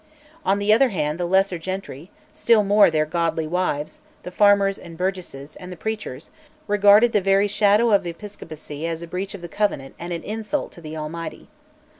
On the other hand the lesser gentry, still more their godly wives, the farmers and burgesses, and the preachers, regarded the very shadow of Episcopacy as a breach of the Covenant and an insult to the Almighty.